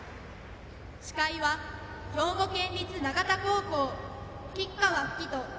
司会は兵庫県立長田高校、吉川阜希と。